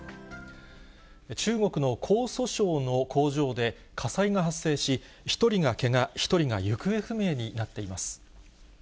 中国の江蘇省の工場で火災が発生し、１人がけが、１人が行方不明になっています。